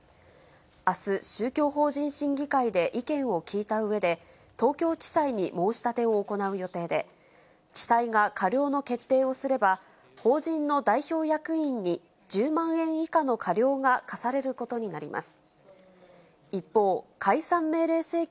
あす、宗教法人審議会で意見を聞いたうえで、東京地裁に申し立てを行う予定で、地裁が過料の決定をすれば、法人の代表役員に１０万円以下の過料が科されることになります。